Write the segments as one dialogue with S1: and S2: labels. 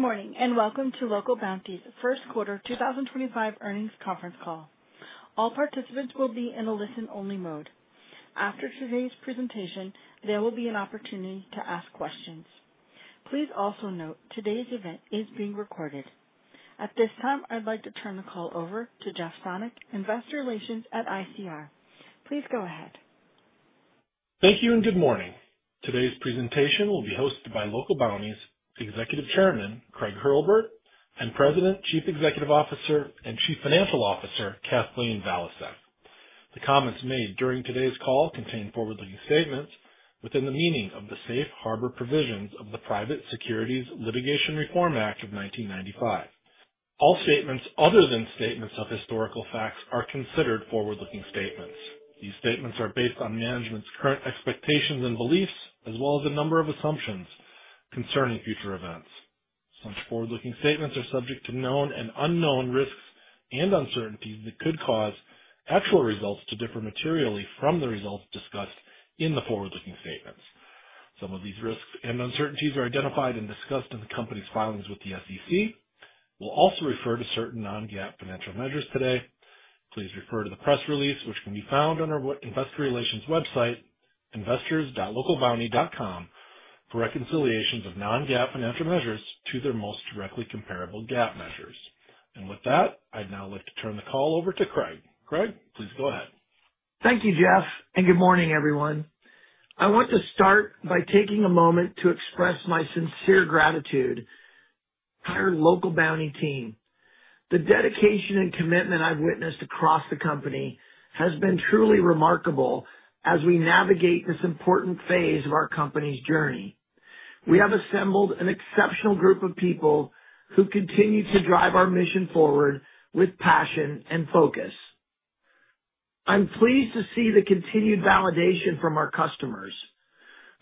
S1: Good morning and welcome to Local Bounti's first quarter 2025 earnings conference call. All participants will be in a listen-only mode. After today's presentation, there will be an opportunity to ask questions. Please also note today's event is being recorded. At this time, I'd like to turn the call over to Jeff Sonnek, Investor Relations at ICR. Please go ahead.
S2: Thank you and good morning. Today's presentation will be hosted by Local Bounti's Executive Chairman Craig Hurlbert and President, Chief Executive Officer, and Chief Financial Officer Kathleen Valiasek. The comments made during today's call contain forward-looking statements within the meaning of the safe harbor provisions of the Private Securities Litigation Reform Act of 1995. All statements other than statements of historical facts are considered forward-looking statements. These statements are based on management's current expectations and beliefs, as well as a number of assumptions concerning future events. Such forward-looking statements are subject to known and unknown risks and uncertainties that could cause actual results to differ materially from the results discussed in the forward-looking statements. Some of these risks and uncertainties are identified and discussed in the company's filings with the SEC. We'll also refer to certain non-GAAP financial measures today. Please refer to the press release, which can be found on our Investor Relations website, investors.localbounti.com, for reconciliations of non-GAAP financial measures to their most directly comparable GAAP measures. With that, I'd now like to turn the call over to Craig. Craig, please go ahead.
S3: Thank you, Jeff, and good morning, everyone. I want to start by taking a moment to express my sincere gratitude to our Local Bounti team. The dedication and commitment I've witnessed across the company has been truly remarkable as we navigate this important phase of our company's journey. We have assembled an exceptional group of people who continue to drive our mission forward with passion and focus. I'm pleased to see the continued validation from our customers,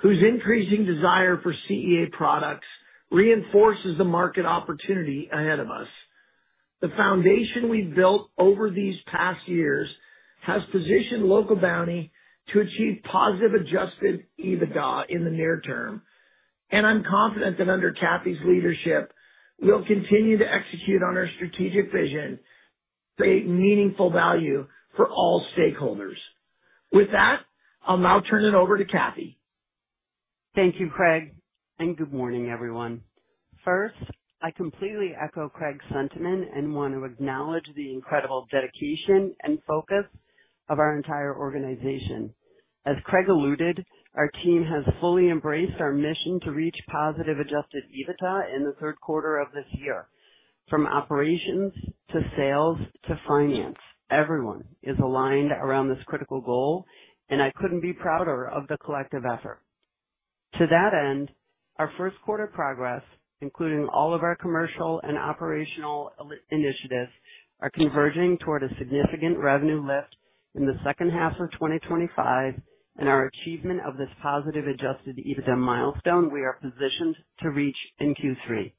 S3: whose increasing desire for CEA products reinforces the market opportunity ahead of us. The foundation we've built over these past years has positioned Local Bounti to achieve positive adjusted EBITDA in the near term. I'm confident that under Kathy's leadership, we'll continue to execute on our strategic vision to create meaningful value for all stakeholders. With that, I'll now turn it over to Kathy.
S4: Thank you, Craig, and good morning, everyone. First, I completely echo Craig's sentiment and want to acknowledge the incredible dedication and focus of our entire organization. As Craig alluded, our team has fully embraced our mission to reach positive adjusted EBITDA in the third quarter of this year. From operations to sales to finance, everyone is aligned around this critical goal, and I couldn't be prouder of the collective effort. To that end, our first quarter progress, including all of our commercial and operational initiatives, is converging toward a significant revenue lift in the second half of 2025, and our achievement of this positive adjusted EBITDA milestone we are positioned to reach in Q3.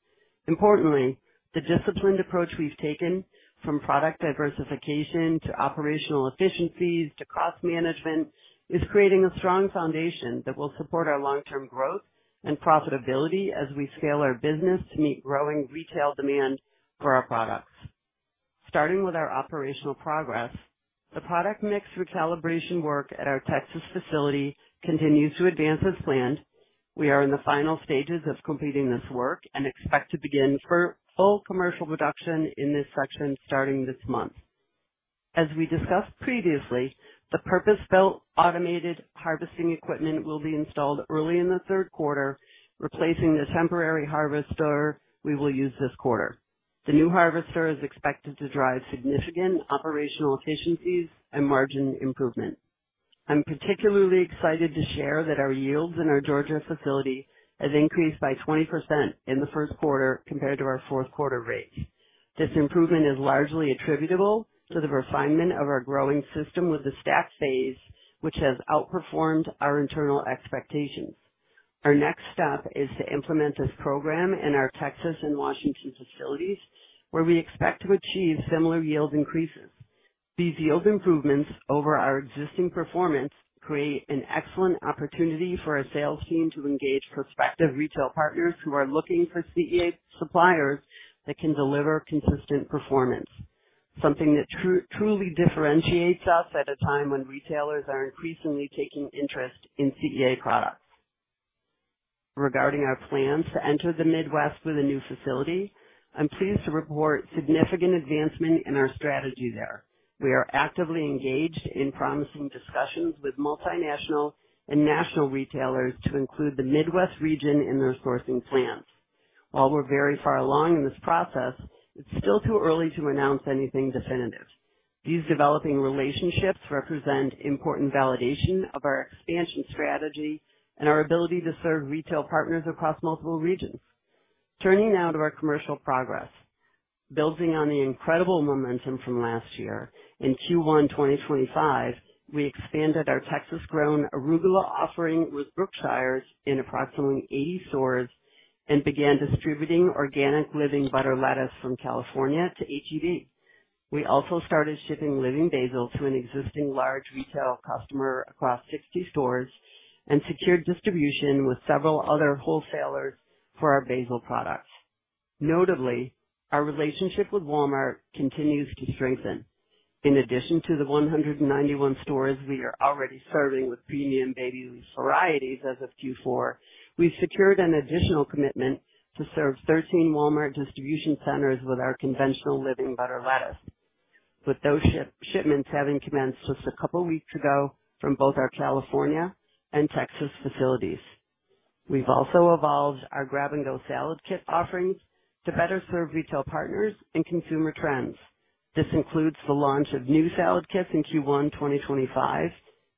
S4: Importantly, the disciplined approach we've taken, from product diversification to operational efficiencies to cost management, is creating a strong foundation that will support our long-term growth and profitability as we scale our business to meet growing retail demand for our products. Starting with our operational progress, the product mix recalibration work at our Texas facility continues to advance as planned. We are in the final stages of completing this work and expect to begin full commercial production in this section starting this month. As we discussed previously, the purpose-built automated harvesting equipment will be installed early in the third quarter, replacing the temporary harvester we will use this quarter. The new harvester is expected to drive significant operational efficiencies and margin improvement. I'm particularly excited to share that our yields in our Georgia facility have increased by 20% in the first quarter compared to our fourth quarter rates. This improvement is largely attributable to the refinement of our growing system with the stack phase, which has outperformed our internal expectations. Our next step is to implement this program in our Texas and Washington facilities, where we expect to achieve similar yield increases. These yield improvements over our existing performance create an excellent opportunity for our sales team to engage prospective retail partners who are looking for CEA suppliers that can deliver consistent performance, something that truly differentiates us at a time when retailers are increasingly taking interest in CEA products. Regarding our plans to enter the Midwest with a new facility, I'm pleased to report significant advancement in our strategy there. We are actively engaged in promising discussions with multinational and national retailers to include the Midwest region in their sourcing plans. While we're very far along in this process, it's still too early to announce anything definitive. These developing relationships represent important validation of our expansion strategy and our ability to serve retail partners across multiple regions. Turning now to our commercial progress, building on the incredible momentum from last year, in Q1 2025, we expanded our Texas-grown arugula offering with Brookshire's in approximately 80 stores and began distributing organic living butter lettuce from California to H-E-B. We also started shipping living basil to an existing large retail customer across 60 stores and secured distribution with several other wholesalers for our basil products. Notably, our relationship with Walmart continues to strengthen. In addition to the 191 stores we are already serving with premium baby leaf varieties as of Q4, we've secured an additional commitment to serve 13 Walmart distribution centers with our conventional living butter lettuce, with those shipments having commenced just a couple of weeks ago from both our California and Texas facilities. We've also evolved our grab-and-go salad kit offerings to better serve retail partners and consumer trends. This includes the launch of new salad kits in Q1 2025,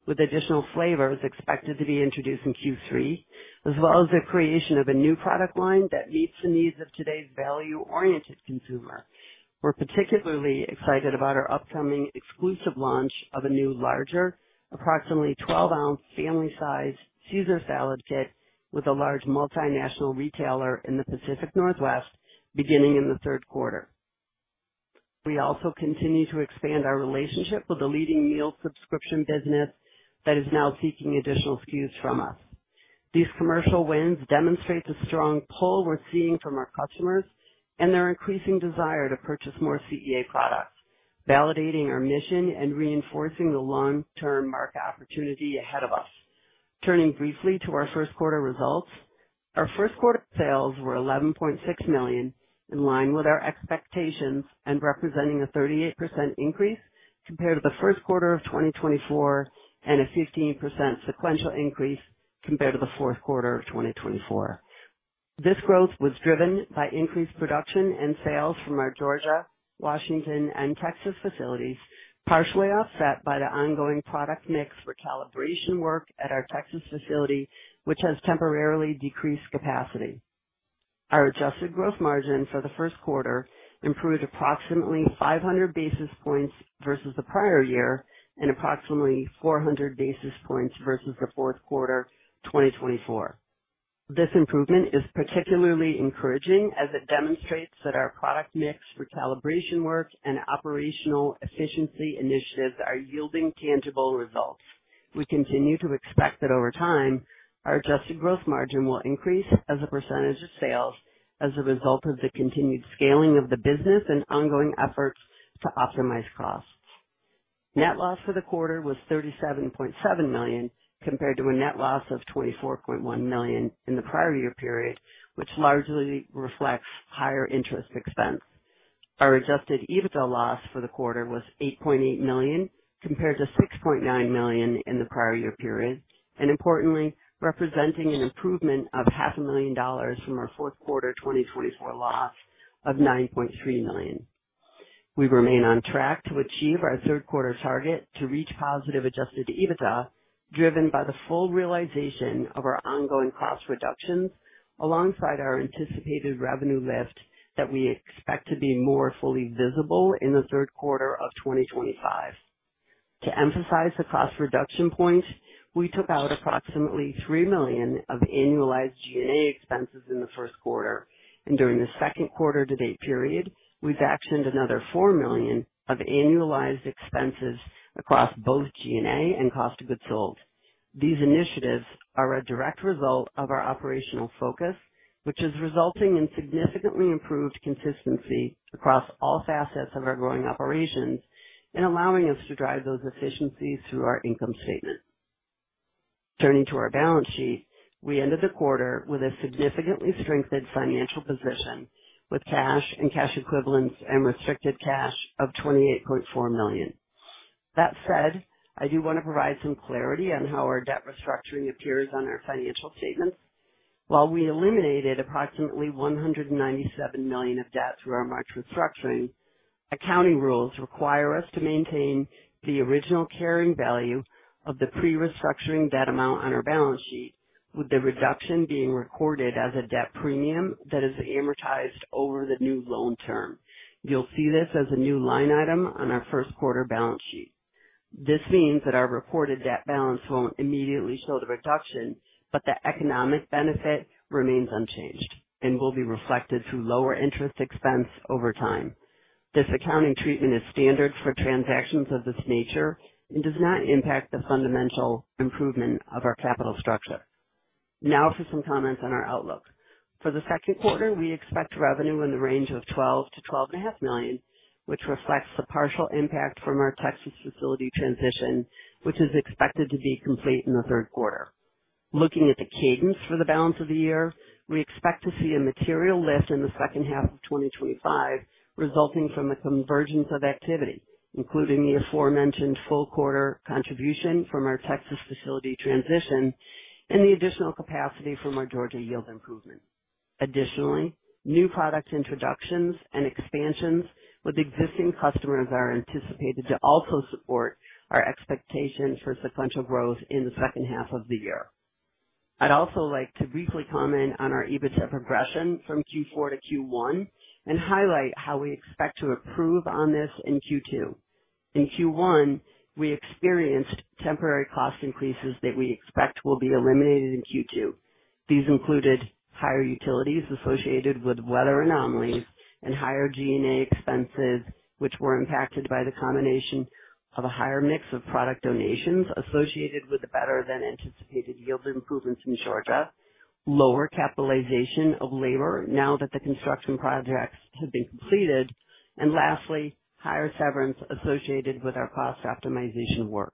S4: with additional flavors expected to be introduced in Q3, as well as the creation of a new product line that meets the needs of today's value-oriented consumer. We're particularly excited about our upcoming exclusive launch of a new, larger, approximately 12-ounce family-sized Caesar salad kit with a large multinational retailer in the Pacific Northwest beginning in the third quarter. We also continue to expand our relationship with a leading meal subscription business that is now seeking additional SKUs from us. These commercial wins demonstrate the strong pull we're seeing from our customers and their increasing desire to purchase more CEA products, validating our mission and reinforcing the long-term market opportunity ahead of us. Turning briefly to our first quarter results, our first quarter sales were $11.6 million, in line with our expectations and representing a 38% increase compared to the first quarter of 2024 and a 15% sequential increase compared to the fourth quarter of 2024. This growth was driven by increased production and sales from our Georgia, Washington, and Texas facilities, partially offset by the ongoing product mix recalibration work at our Texas facility, which has temporarily decreased capacity. Our adjusted gross margin for the first quarter improved approximately 500 basis points versus the prior year and approximately 400 basis points versus the fourth quarter 2024. This improvement is particularly encouraging as it demonstrates that our product mix recalibration work and operational efficiency initiatives are yielding tangible results. We continue to expect that over time, our adjusted gross margin will increase as a percentage of sales as a result of the continued scaling of the business and ongoing efforts to optimize costs. Net loss for the quarter was $37.7 million compared to a net loss of $24.1 million in the prior year period, which largely reflects higher interest expense. Our adjusted EBITDA loss for the quarter was $8.8 million compared to $6.9 million in the prior year period, and importantly, representing an improvement of $500,000 from our fourth quarter 2024 loss of $9.3 million. We remain on track to achieve our third quarter target to reach positive adjusted EBITDA, driven by the full realization of our ongoing cost reductions alongside our anticipated revenue lift that we expect to be more fully visible in the third quarter of 2025. To emphasize the cost reduction points, we took out approximately $3 million of annualized G&A expenses in the first quarter, and during the second quarter to date period, we've actioned another $4 million of annualized expenses across both G&A and cost of goods sold. These initiatives are a direct result of our operational focus, which is resulting in significantly improved consistency across all facets of our growing operations and allowing us to drive those efficiencies through our income statement. Turning to our balance sheet, we ended the quarter with a significantly strengthened financial position with cash and cash equivalents and restricted cash of $28.4 million. That said, I do want to provide some clarity on how our debt restructuring appears on our financial statements. While we eliminated approximately $197 million of debt through our market restructuring, accounting rules require us to maintain the original carrying value of the pre-restructuring debt amount on our balance sheet, with the reduction being recorded as a debt premium that is amortized over the new loan term. You'll see this as a new line item on our first quarter balance sheet. This means that our reported debt balance won't immediately show the reduction, but the economic benefit remains unchanged and will be reflected through lower interest expense over time. This accounting treatment is standard for transactions of this nature and does not impact the fundamental improvement of our capital structure. Now for some comments on our outlook. For the second quarter, we expect revenue in the range of $12 million-$12.5 million, which reflects the partial impact from our Texas facility transition, which is expected to be complete in the third quarter. Looking at the cadence for the balance of the year, we expect to see a material lift in the second half of 2025 resulting from the convergence of activity, including the aforementioned full quarter contribution from our Texas facility transition and the additional capacity from our Georgia yield improvement. Additionally, new product introductions and expansions with existing customers are anticipated to also support our expectation for sequential growth in the second half of the year. I'd also like to briefly comment on our EBITDA progression from Q4 to Q1 and highlight how we expect to improve on this in Q2. In Q1, we experienced temporary cost increases that we expect will be eliminated in Q2. These included higher utilities associated with weather anomalies and higher G&A expenses, which were impacted by the combination of a higher mix of product donations associated with the better-than-anticipated yield improvements in Georgia, lower capitalization of labor now that the construction projects have been completed, and lastly, higher severance associated with our cost optimization work.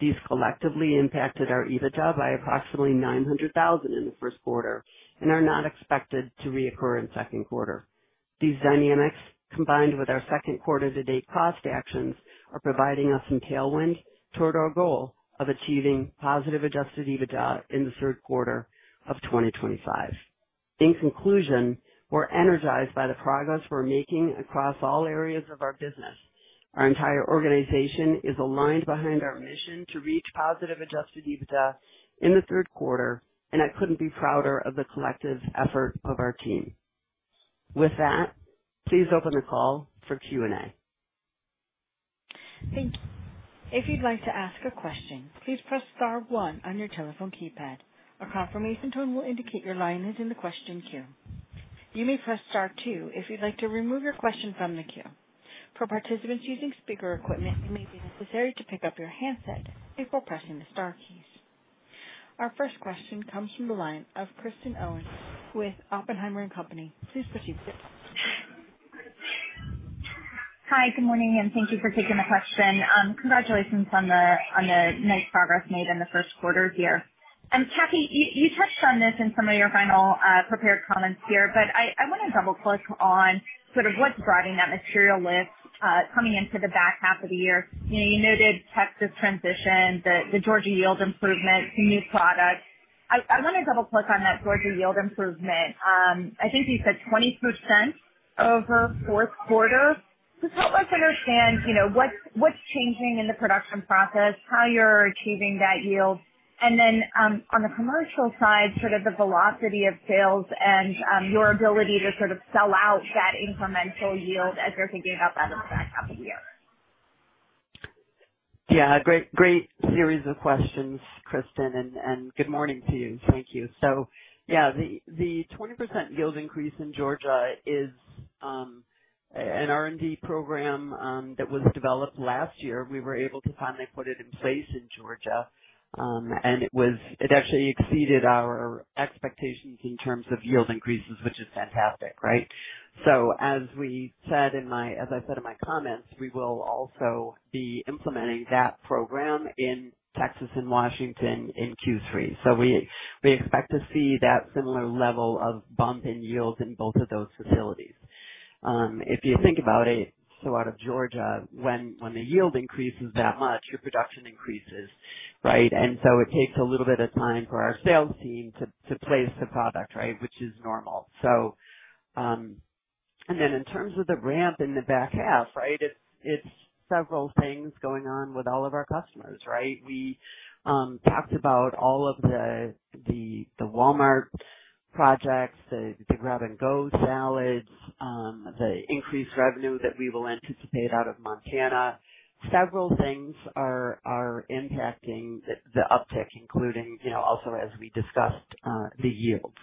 S4: These collectively impacted our EBITDA by approximately $900,000 in the first quarter and are not expected to reoccur in second quarter. These dynamics, combined with our second quarter-to-date cost actions, are providing us some tailwind toward our goal of achieving positive adjusted EBITDA in the third quarter of 2025. In conclusion, we're energized by the progress we're making across all areas of our business. Our entire organization is aligned behind our mission to reach positive adjusted EBITDA in the third quarter, and I couldn't be prouder of the collective effort of our team. With that, please open the call for Q&A.
S1: Thank you. If you'd like to ask a question, please press Star one on your telephone keypad. A confirmation tone will indicate your line is in the question queue. You may press Star two if you'd like to remove your question from the queue. For participants using speaker equipment, it may be necessary to pick up your handset before pressing the Star keys. Our first question comes from the line of Kristen Owen with Oppenheimer & Company. Please proceed.
S5: Hi, good morning, and thank you for taking the question. Congratulations on the nice progress made in the first quarter here. Kathleen, you touched on this in some of your final prepared comments here, but I want to double-click on sort of what's driving that material lift coming into the back half of the year. You noted Texas transition, the Georgia yield improvement, some new products. I want to double-click on that Georgia yield improvement. I think you said 20% over fourth quarter. Just help us understand what's changing in the production process, how you're achieving that yield, and then on the commercial side, sort of the velocity of sales and your ability to sort of sell out that incremental yield as you're thinking about that in the back half of the year.
S4: Yeah, great series of questions, Kristen, and good morning to you. Thank you. Yeah, the 20% yield increase in Georgia is an R&D program that was developed last year. We were able to finally put it in place in Georgia, and it actually exceeded our expectations in terms of yield increases, which is fantastic, right? As I said in my comments, we will also be implementing that program in Texas and Washington in Q3. We expect to see that similar level of bump in yields in both of those facilities. If you think about it, out of Georgia, when the yield increases that much, your production increases, right? It takes a little bit of time for our sales team to place the product, which is normal. In terms of the ramp in the back half, it's several things going on with all of our customers, right? We talked about all of the Walmart projects, the grab-and-go salads, the increased revenue that we will anticipate out of Montana. Several things are impacting the uptick, including also, as we discussed, the yields.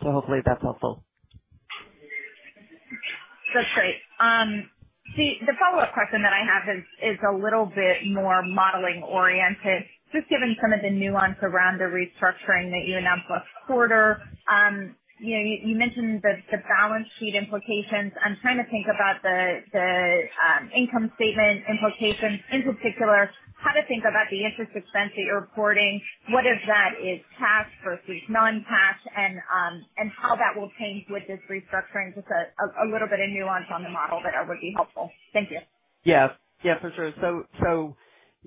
S4: Hopefully that's helpful.
S5: That's great. The follow-up question that I have is a little bit more modeling-oriented, just given some of the nuance around the restructuring that you announced last quarter. You mentioned the balance sheet implications. I'm trying to think about the income statement implications in particular, how to think about the interest expense that you're reporting, what of that is cash versus non-cash, and how that will change with this restructuring, just a little bit of nuance on the model that would be helpful. Thank you.
S4: Yeah, yeah, for sure. So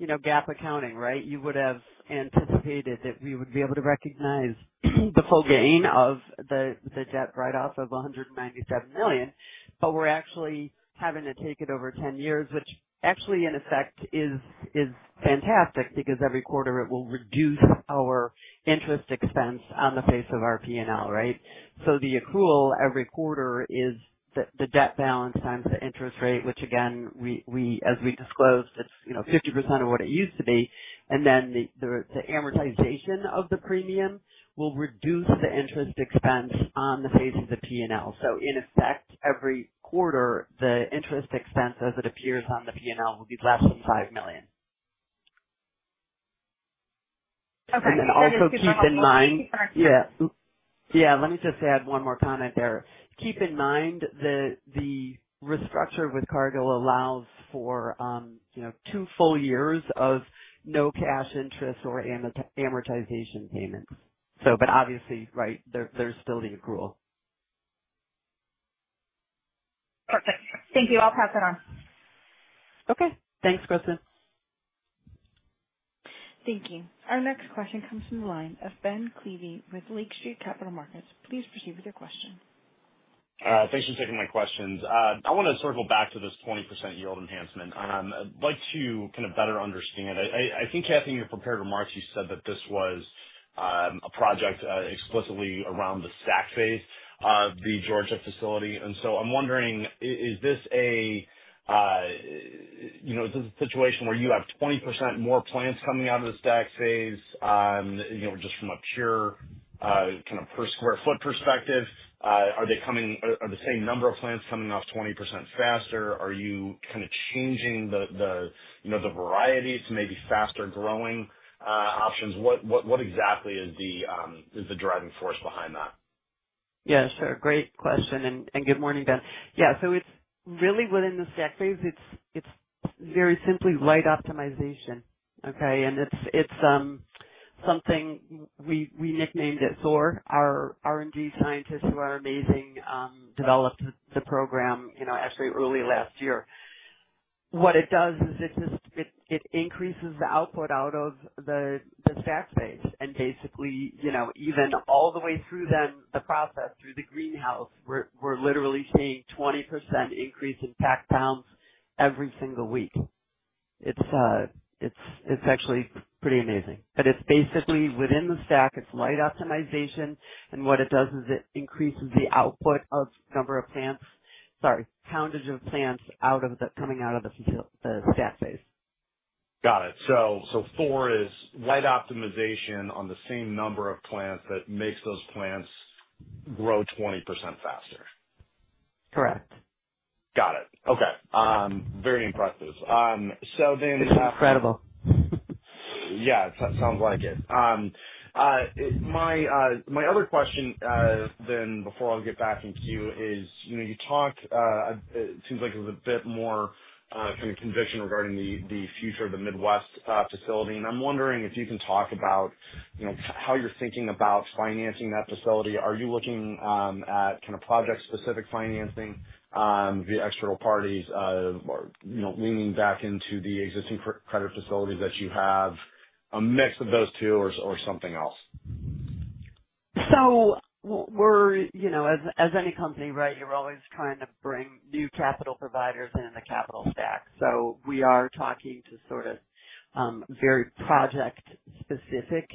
S4: GAAP accounting, right? You would have anticipated that we would be able to recognize the full gain of the debt write-off of $197 million, but we're actually having to take it over 10 years, which actually, in effect, is fantastic because every quarter it will reduce our interest expense on the face of our P&L, right? The accrual every quarter is the debt balance times the interest rate, which, again, as we disclosed, it's 50% of what it used to be. The amortization of the premium will reduce the interest expense on the face of the P&L. In effect, every quarter, the interest expense as it appears on the P&L will be less than $5 million. Also keep in mind, yeah, yeah, let me just add one more comment there. Keep in mind that the restructure with Cargill allows for two full years of no cash interest or amortization payments. Obviously, right, there's still the accrual. Perfect.
S5: Thank you. I'll pass it on.
S4: Okay. Thanks, Kristen.
S1: Thank you. Our next question comes from the line of Ben Klieve with Lake Street Capital Markets. Please proceed with your question.
S6: Thanks for taking my questions. I want to circle back to this 20% yield enhancement. I'd like to kind of better understand. I think, Kathleen, your prepared remarks, you said that this was a project explicitly around the stack phase of the Georgia facility. I'm wondering, is this a situation where you have 20% more plants coming out of the stack phase just from a pure kind of per sq ft perspective? Are the same number of plants coming off 20% faster? Are you kind of changing the variety to maybe faster growing options? What exactly is the driving force behind that?
S4: Yeah, sure. Great question. Good morning, Ben. Yeah, so it's really within the stack phase. It's very simply light optimization, okay? It's something we nicknamed SOAR. Our R&D scientists, who are amazing, developed the program actually early last year. What it does is it increases the output out of the stack phase. Basically, even all the way through then the process, through the greenhouse, we're literally seeing 20% increase in packed pounds every single week. It's actually pretty amazing. It's basically within the stack. It's light optimization. What it does is it increases the output of number of plants—sorry, poundage of plants coming out of the stack phase.
S6: Got it. SOAR is light optimization on the same number of plants that makes those plants grow 20% faster.
S4: Correct.
S6: Got it. Okay. Very impressive.
S4: It's incredible.
S6: Yeah, it sounds like it. My other question then before I'll get back in queue is you talked—it seems like it was a bit more kind of conviction regarding the future of the Midwest facility. I'm wondering if you can talk about how you're thinking about financing that facility. Are you looking at kind of project-specific financing via external parties or leaning back into the existing credit facilities that you have? A mix of those two or something else?
S4: As any company, right, you're always trying to bring new capital providers into the capital stack. We are talking to sort of very project-specific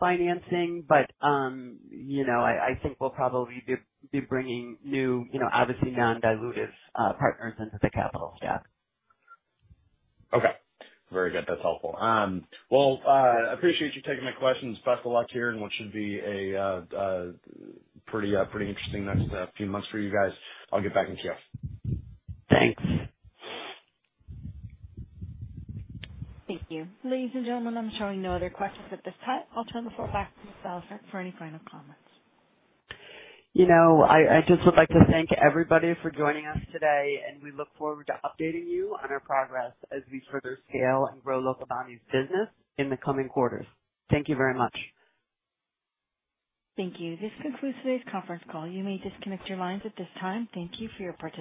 S4: financing, but I think we'll probably be bringing new, obviously non-dilutive partners into the capital stack.
S6: Okay. Very good. That's helpful. I appreciate you taking my questions. Best of luck here in what should be a pretty interesting next few months for you guys. I'll get back in queue. Thanks.
S1: Thank you. Ladies and gentlemen, I'm showing no other questions at this time. I'll turn the floor back to Ms. Valiasek for any final comments.
S4: I just would like to thank everybody for joining us today, and we look forward to updating you on our progress as we further scale and grow Local Bounti's business in the coming quarters. Thank you very much.
S1: Thank you. This concludes today's conference call. You may disconnect your lines at this time. Thank you for your participation.